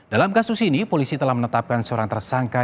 dalam kasus ini polisi telah menetapkan seorang tersangka